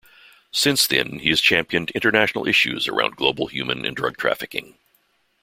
Since then, he has championed international issues around global human and drug trafficking.